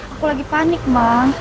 aku lagi panik mbak